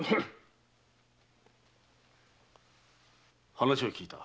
話は聞いた。